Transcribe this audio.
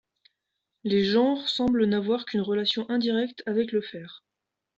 Les genres semblent n'avoir qu'une relation indirecte avec le fer.